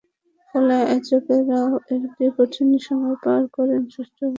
ফলে আয়োজকেরাও একটি কঠিন সময় পার করেন সুষ্ঠুভাবে একটি অনুষ্ঠান সম্পন্ন করতে।